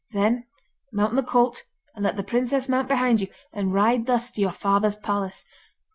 Then mount the colt, and let the princess mount behind you, and ride thus to your father's palace.